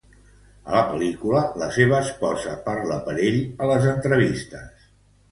A la pel·lícula, la seva esposa parla per ell a les entrevistes.